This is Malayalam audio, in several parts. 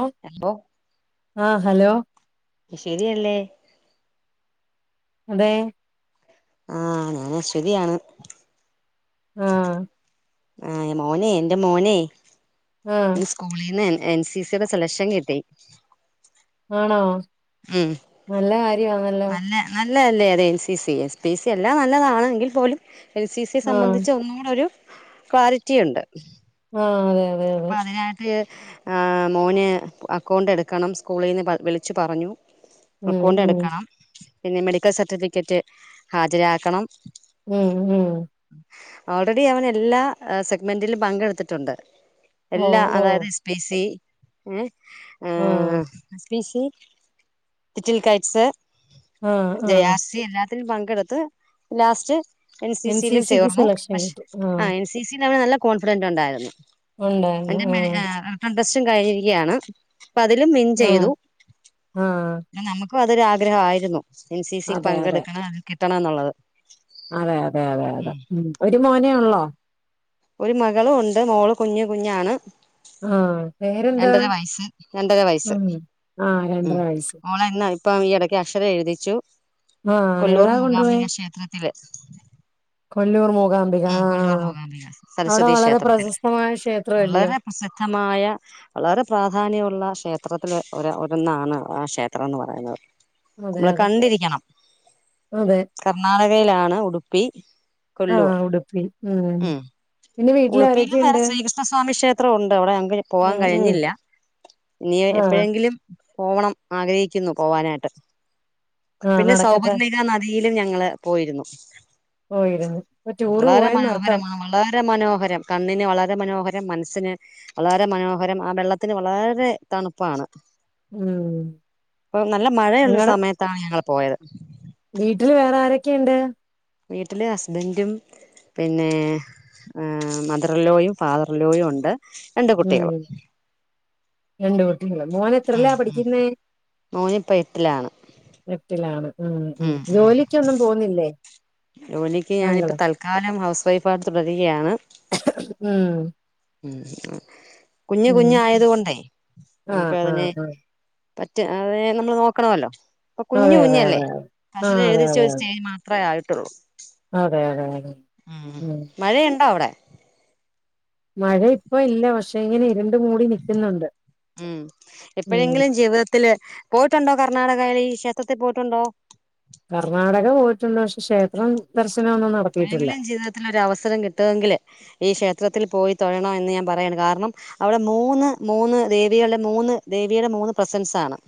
ഒഹ് ഹലോ ആഹ് ഹലോ ശെരിയല്ലേ അതേ ആഹ് ഞാന ശ്വതിയാണ് ആഹ് ആഹ് മോനെ എന്റെ മോനെ ആഹ് സ്കൂളിന്ന് എൻ എൻ സി സിയുടെ സെലഷൻ കിട്ടി ആണോ ഉം നല്ല കാര്യമാണല്ലോ നല്ലെ നല്ല അല്ലേ അതെ N C C S P C അല്ലാ നല്ലതാണെങ്കിൽ പോലും എൻ സി സി ആഹ് സംബന്ധിച്ച് ഒന്നൂടൊരു ക്ലാരിറ്റി ഇണ്ട് ആഹ് അതെ അതെ അതെ അപ്പൊ അതിനായിട്ട് ആഹ് മോന് അക്കൗണ്ട് എടുക്കണം സ്കൂളീന്ന് പ വിളിച്ചു പറഞ്ഞു ഉം അക്കൗണ്ട് ഉം എടുക്കണം പിന്നെ മെഡിക്കൽ സർട്ടിഫിക്കറ്റ് ഹാജരാക്കണം ഉം ഉം ഓൾറെഡി അവനെല്ലാ എഹ് സെഗ്‌മെന്റിലും പങ്കെടുത്തിട്ടുണ്ട് ഓ എല്ലാ ഓ അതായത് എസ് പി സി ഏഹ് ആഹ് എസ് പി സി ലിറ്റിൽകൈറ്റ്സ് ആഹ് ജെ ആഹ് ആർ സി എല്ലാ ത്തിൽ പങ്കെടുത്ത് ലാസ്റ്റ് എൻ സി സിലു സിക്ക് ചേർന്നു സെലക്ഷൻ പഷേ കിട്ടി ആഹ് അ എൻ സി സി ലെവല് നല്ല കോൺഫിഡന്റ് ഒണ്ടായിരുന്നു ഉണ്ടായിരുന്നു ആൻ്റ് ആഹ് എറെ ഇട്രസ്റ്റും കഴിഞ്ഞിരിക്കയാണ്. അപ്പ അതിലും വിൻ ചെയ്തു ആഹ് ആഹ് നമ്മക്കും അതൊരു ആഗ്രഹായിരുന്നു. എൻ സി സിയിൽ അതെ അതെ പങ്കെടുക്കണം. അത് കിട്ടണംന്നുള്ളത്. അതെ അതെ അതെ അതെ ഉം ഒരു മോനെ ഒള്ളോ? ഒരു മകളും ഉണ്ട് മോള് കുഞ്ഞ് കുഞ്ഞാണ്. ആഹ് പേരെന്താ രണ്ടര വയസ്സ് രണ്ടര വയസ്സ് ഉം ആഹ് ഉം രണ്ടര വയസ്സ് മോളേ [unintelligible] ഇപ്പം ഈയിടക്ക് അക്ഷരം എഴുതിച്ചു. ആഹ് കൊല്ലൂർ എവിടാ കൊണ്ടുപോയേ മൂകാംബിക ക്ഷേത്രത്തില്. കൊല്ലൂർ മൂകാംബിക ഉം കൊല്ലൂർ ആഹ് മൂകാംബിക അവിടെ സരസ്വതി വളരെ ക്ഷേത്രത്തിൽ പ്രശസ്തമായ ക്ഷേത്ര അല്ലയോ? വളരെ പ്രസിദ്ധമായ വളരെ പ്രാധാന്യമുള്ള ക്ഷേത്രത്തില് ഒ ഒന്നാണ് ആ ക്ഷേത്രം എന്ന് പറയുന്നത്. അതെ നമ്മള് അതെ കണ്ടിരിക്കണം. അതെ. കർണാടകയിലാണ് ഉടുപ്പി കൊല്ലൂർ ആഹ് ഉടുപ്പി ഉം പിന്നെ വീട്ടില് ഉളിപ്പീലും വേറെ ആരൊക്കെയുണ്ട്? [unintelligible] ആഹ് സ്വാമി ക്ഷേത്രം ഉണ്ട് അവിടെ ഞങ്ങക്കിനി പോവാൻ ഉം ഉം കഴിഞ്ഞില്ല. ഇനി ആഹ് എപ്പഴെങ്കിലും. പോവണം ആഗ്രഹിക്കുന്നു പോവാനായിട്ട്. ആഹ് പിന്നെ നടക്കട്ടെ സൗഭർണിക നയിലും ഞങ്ങള് പോയിരുന്നു. പോയിരുന്നു. ഇപ്പൊ ടൂറ് വളാരെ പോയെന്നർത്ഥം മനോഹരമാണ് വളാരെ. വളരെ മനോഹരം കണ്ണിന് വളരെ മനോഹരം മനസ്സിന് വളരെ മനോഹരം ആ വെള്ളത്തിന് വളാരെ തണുപ്പാണ്. ഉം അപ്പൊ നല്ല മഴയുള്ള നിങ്ങടെ സമയത്താണ് ഞങ്ങള് പോയത്. വീട്ടില് വേറെ ആരൊക്കെയുണ്ട്? വീട്ടില് ഹസ്ബൻഡും. പിന്നെ മദറിലോയും ഫാദറിലോയും ഉണ്ട് രണ്ട് കുട്ടികളും. രണ്ടു കുട്ടികൾ മോൻ എത്രല്ലാ പഠിക്കുന്നേ? മോനിപ്പ എട്ടിലാണ് എട്ടിലാണ് ഉം. ഉം. ജോലിക്കൊന്നും പോവുന്നില്ലേ? ജോലിക്ക് ഞാനിപ്പം തൽക്കാലം ഹൗസ് വൈഫായിയിട്ട് തുടരുകയാണ്. ഉം ഉം കുഞ്ഞുകുഞ്ഞ് ആയത് കൊണ്ടേ ആഹ് നമക്ക് അയിൻ ആഹ് ആഹ് പറ്റേ അതേ നമ്മള് നോക്കണമല്ലോ. ഇപ്പോ കുഞ്ഞു അതെ അതെ കുഞ്ഞല്ലേ അതെ ആഹ് അതെ അതെ അതെ അത്രയിട്ടുള്ളൂ അതെ അതെ അതെ ഉം മഴയുണ്ടോ അവിടെ? മഴ ഇപ്പ ഇല്ല പക്ഷെ ഇങ്ങനെ ഇരുണ്ട മൂടി. നിക്കുന്നുണ്ട് ഉം ഉം എപ്പോഴെങ്കിലും ജീവിതത്തില് പോയിട്ടുണ്ടോ കർണാടകയിൽ ക്ഷേത്രത്തിൽ പോയിട്ടുണ്ടോ? കർണാടക പോയിട്ടുണ്ട്. പക്ഷെ ക്ഷേത്രം. ദർശനം എപ്പോഴെങ്കിലും ജീവിതത്തിലൊരു ഒരു അവസരം കിട്ടുവെങ്കില്. ഈ ക്ഷേത്രത്തിൽ പോയി തൊഴണമെന്ന് ഞാൻ പറയാണ് കാരണം. അവിടെ മൂന്ന് മൂന്ന് ദേവികലിൽ മൂന്ന് ദേവിയുടെ മൂന്ന് പ്രസൻസണ്.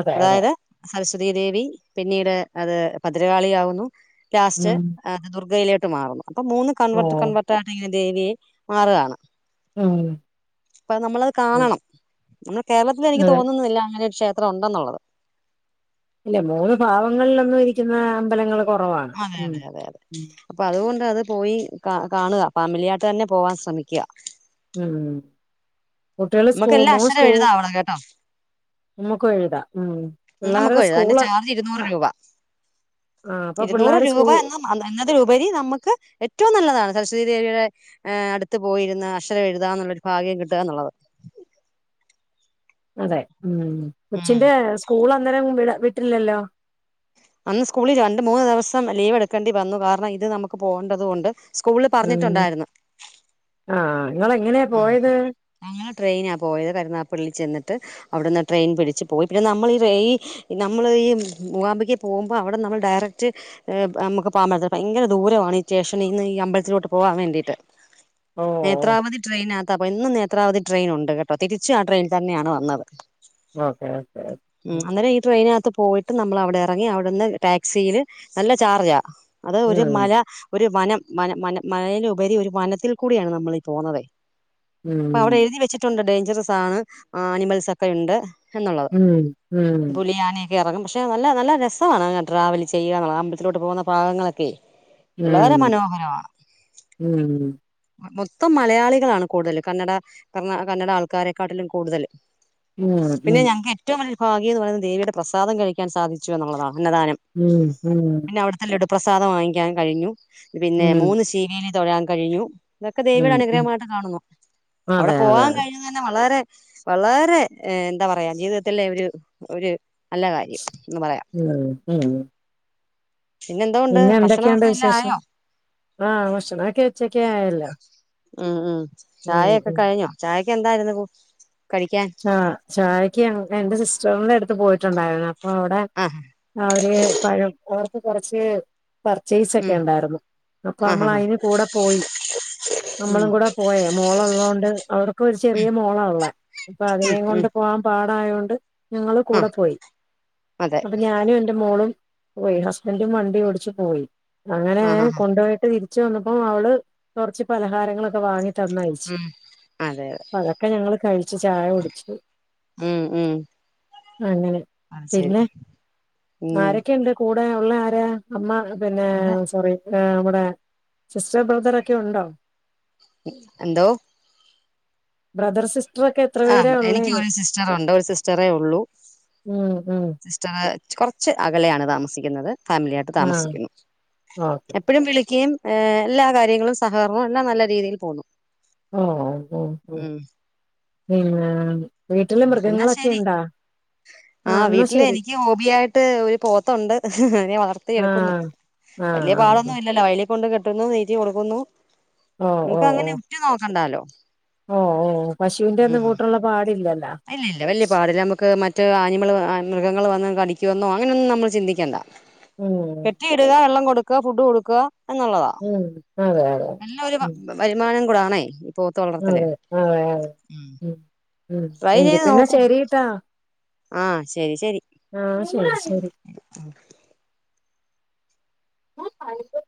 അതെ അതെ അതായത് സരസ്വതീ ദേവിപിന്നീട് അത് ഭദ്രകാളി ആകുന്നു. ലാസ്റ്റ് ഉം ദുർഗയിലോട്ട് മാറുന്നു. അപ്പൊ മൂന്ന് ഓ കൺവെർട്ട് കൺവെർട്ട്. [unintelligible] ദേവിയെ മാറാണ്. ഉം അപ്പ നമ്മളത് ഉം കാണണം. നമ്മുടെ കേരളത്തി എനിക്ക് അതെ തോന്നുന്നില്ല അങ്ങനെ ഒരു ഷേ [unintelligible] ഇല്ല മൂന്ന് ഭാവങ്ങളിലൊന്നും ഇരിക്കുന്ന അമ്പലങ്ങളും. അതെ, അതെ, അതെ, അതെ, അപ്പൊ അതുകൊണ്ട് അത് പോയി കാ കാണുക. ഫാമിലിയാട്ട് തന്നെ പോവാൻ ശ്രമിക്യ. ഉം. കുട്ട്യോൾ സ്കൂൾ നമുക്കെല്ലാം മോളു അക്ഷരം സ്കൂൾ. എഴുതാവണം കേട്ടോ നമുകും എഴുതാ ഉം. നമുക്കും പിള്ളേരുടെ വഴുത. അതിന്റെ സ്കൂള് ചാർജ് ആ ഇരുന്നൂറ് രൂപ. ആ അപ്പൊ ഇരുന്നൂറ് പിള്ളേര് സ്കൂ രൂപ എന്ന്. എന്നതിലുപരി നമുക്ക് ഏറ്റവും നല്ലതാണ്. സരസ്വതി ദേവിയുടെ ഹേ അടുത്തു പോയിരുന്ന് അക്ഷരം എഴുതാന്നുള്ളൊരു ഭാഗ്യം കിട്ടാന്നുള്ളത്. അതെ ഉം ഉം കൊച്ചിന്റെ സ്കൂൾ അന്നേരം വിട വിട്ടില്ലല്ലോ അന്ന് സ്കൂളി രണ്ട് മൂന്ന് ദെവസം ലീവ് എടുക്കേണ്ടി വന്നു കാരണം ഇത് നമുക്ക് പോകേണ്ടത് കൊണ്ട് സ്കൂളിൽ ഉം പറഞ്ഞിട്ടുണ്ടായിരുന്നു ആഹ് ഇങ്ങളെങ്ങനെയാ പോയത് ഞങ്ങള് ട്രെയിനാ പോയത് കരുനാപ്പള്ളി ചെന്നിട്ട് അവിടുന്ന് ട്രെയിൻ പിടിച്ച് പോയി പിന്നെ നമ്മൾ ഈ റെ നമ്മള് ഈ മൂകാബക്ക് പോകുമ്പോ അവിടെ നമ്മൾ ഡയറക്റ്റ് ഏഹ് നമ്മക്ക് പാം പറ്റത്തു ഭയങ്ക ദൂരമാണ് ഈ ശേഷനിന്ന് ഈ അമ്പലത്തിലോട്ട് പോവാൻ വേണ്ടിയിട്ട് ഓ നേത്രാവധി ട്രെയിനകത്ത ഇന്നും നേത്രാവധി ട്രെയിൻ ഉണ്ട് കേട്ടോ തിരിച്ചു ആ ട്രെയിനിൽ തന്നെയാണ് വന്നത് ഓക്കെ ഓക്കെ ഒകെ ഉം അന്നേരം ഈ ട്രെയിനകത്ത് പോയിട്ട് നമ്മൾ അവിടെ ഇറങ്ങി അവിടുന്ന് ടാക്സില് നല്ല ചാർജാ അത് ഒരു മല ഒരു വനം മന മന മല ഉപരി ഒരു വനത്തിൽ കൂടിയാണ് നമ്മൾീ പോകുന്നുന്നത് ഉം അപ്പൊ അവിടെ എഴുതി വെച്ചിട്ടുണ്ട് ഡേഞ്ചറസ് ആണ് ആനിമൽസ്ക്കെണ്ട് എന്നുള്ളത് ഉം ഉം ബുലിയാന എറങ്ങും പക്ഷെ നല്ല നല്ല രസാണ് അങ്ങനെ ട്രാവൽ ചെയ്യുകുള്ള അമ്പലത്തിലോട്ട് പോകുന്ന പാഗങ്ങളൊക്കെ ഉം ളരെ മനോഹരമാണ് ഉം മൊത്തം മലയാളികളാണ് കൂടുതൽ കന്നഡ കണ കന്നഡ ആൾക്കാരെക്കാട്ടിലും കൂടുതൽ ഉം പിന്നെ ഉം ഞങ്ങക്ക് ഏറ്റവും വലിയ ഭാഗ്യം എന്ന് പറയുന്നത് ദേവിയുടെ പ്രസാദം കഴിക്കാൻ സാധിച്ചു എന്നുള്ളതാണ് അന്നദാനം. ഉം ഉം പിന്നെ അവിടുത്തെ ലഡ്ഡു പ്രസാദം വാങ്ങിക്കാൻ കഴിഞ്ഞു പിന്നെ ഉം മൂന്ന് ശീവേലി തൊഴൻ കഴിഞ്ഞു ഇതൊക്കെ ദേവിയുടെ ഉം ഉം അനുഗ്രഹമായിട്ട് കാണു അവിടെ അതെ അതെ പോവാൻ കഴി ഞാങ്ങനെ വളരെ വളരെ എന്താ പറയാ ജീവിതത്തിലെ ഒരു ഒരു നല്ല കാര്യം എന്ന് പറയാം ഉം ഉം എന്തോണ്ട് പിന്നെ എന്തൊക്കെയുണ്ട് ഭക്ഷണമൊക്കെ എല്ലാം വിശേഷം ആയോ ആഹ് ഭക്ഷണക്കെ ഉച്ചക്കെ ആയല്ലോ ഉം ഉം ഉം ചായയൊക്കെ ഉം കഴിഞ്ഞോ ചായക്ക് എന്തായിരുന്നു കടിക്കാൻ ആ ചായയ്ക്ക് എന്റെ സിസ്റ്ററിന്റെ അടുത്ത് പോയിട്ടുണ്ടായിരുന്നു അപ്പൊ അവിടെ.. അ അവര് പഴം ഓർക് കൊറച്ച് ഉം പർച്ചേസക്കെണ്ടായിരുന്നു അപ്പൊ ആഹ് നമ്മൾ ആഹ് അയിന് കൂടെ പോയി ഉം നമ്മളും കൂടെ പോയേ മോള ഉള്ളതോണ്ട് അവർക്ക് ഒരു ചെറിയ മോളള്ള അതിനെ ഉം കൊണ്ട് പോകാം പാടായോണ്ട് ഞങ്ങൾ കു‌ടെ ആഹ് പോയി അതെ [unintelligible] ഞാനും എന്റെ മോളും പോയി ഹസ്ബൻറും വണ്ടി ഓടിച്ച് പോയി അങ്ങനെ ആഹ് ആഹ് കൊണ്ട പോയിട്ട് തിരി ച്ചു വന്നപ്പോ അവള് കുറച്ച് പലഹാരങ്ങളൊക്കെ വാങ്ങി തന്നായ്ച്ച ഉം അതെ അതെ അതൊക്കെ ഞങ്ങള് കഴിച്ചു ചായ കുടിച്ചു. ഉം ഉം അങ്ങനെ അത് ശരി പിന്നെ ഉം ആരൊക്കെണ്ട് കൂടെ ഉള്ള ആരാ അമ്മ പിന്നെ ഇവിടെ സോറി ആഹ് ബടെ സിസ്റ്റർ ബ്രദറൊക്കെ ഉണ്ടോ എന്തോ ബ്രദർ സിസ്ർ ആഹ് എനിക്ക് ഒരു സിസ്റ്ററുണ്ട് ഒരു സിസ്റ്ററെ ഉള്ളൂ ഉം ഉം ച്ചാ കൊറച്ച് അകലെയാണ് താമസിക്കുന്നത് ഫാമിലിയിട്ട് ആഹ് താമസിക്കുന്നു ഓക്കെ എപ്പോഴും വിളിക്കയും ഏ എല്ലാ കാര്യങ്ങളും സഹകരണംവും എല്ലാം നല്ല രീതിയിൽ പോകുന്നു. ഓ ഓ ഓ പിന്നെ വീട്ടില് എന്നാ ശരി മൃഗങ്ങളൊക്കെണ്ട ആഹ് എന്നാ വീട്ടില് ശരി എനിക്ക് ഹോബിയായിട്ട് ഒരു പോത്തുണ്ട് അതിനെ വളർത്തിയെടുക്കുന്നു ആഹ് വലിയ ആഹ് പാടൊന്നും ഇല്ലല്ലോ വി കൊണ്ട് കെട്ടുന്നു. തീറ്റി കൊടുക്കുന്നു ഓ നമുക്ക് അങ്ങനെ ഉറ്റു നോക്കണ്ടാലോ. ഓഹ് ഓഹ് പശുവിന്റെ ഒന്നും ഉം കൂട്ടുള്ള പാലില്ലല്ല ഇല്ല ഇല്ല വല്യ പാടില്ല നമുക്ക് മറ്റ് ആനിമൾ മൃഗങ്ങൾ വന്ന് കടിക്കന്നോ അങ്ങനെയൊന്നും നമ്മൾ ചിന്തിക്കണ്ട ഉം കെട്ടി ഇടുക വെള്ളം കൊടുക്ക ഫുഡ് കൊടുക്ക എന്നുള്ളതാ.. ഉം അതെ അതെ ഉം വരുമാനം കൂടാണ് ഈ പോത്ത് വളർത്തല് അതെ അതെ അതെ ഉം ഉം ട്രൈ ചെയ്ത് എങ്കിപ്പിന്നെ നോക്കൂ ശരിട്ടാ ആഹ് ആഹ് ശരി ശരി ആ [inaudible]